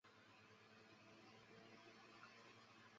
他们认为犹太人所信奉的圣殿犹太教是一种世俗化了的宗教。